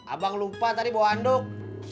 abang lupa tadi bawa anduk